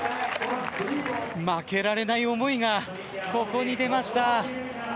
負けられない思いがここに出ました。